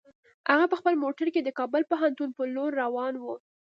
هغه په خپل موټر کې د کابل پوهنتون په لور روان و.